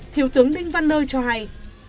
thiếu tướng đinh văn nơi cho hay